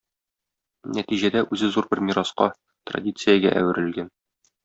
Нәтиҗәдә, үзе зур бер мираска, традициягә әверелгән.